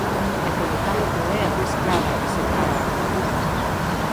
E, polo tanto é a pescada que se traba a cola.